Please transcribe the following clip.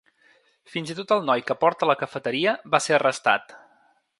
Fins i tot el noi que porta la cafeteria va ser arrestat.